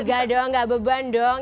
enggak dong gak beban dong